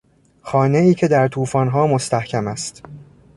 خانهای که در توفانها مستحکم است